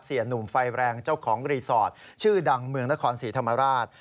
หนุ่มไฟแรงเจ้าของรีสอร์ทชื่อดังเมืองนครศรีธรรมราช